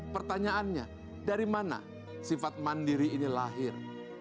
pertanyaannya dari mana sifat mandiri ini lahir